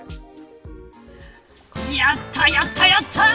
やった、やった、やった。